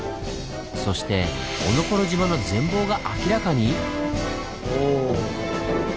そしておのころ島の全貌が明らかに⁉お。